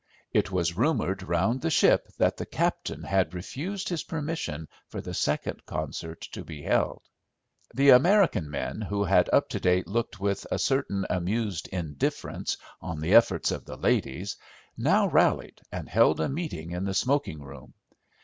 It was rumoured round the ship that the captain had refused his permission for the second concert to be held. The American men, who had up to date looked with a certain amused indifference on the efforts of the ladies, now rallied and held a meeting in the smoking room.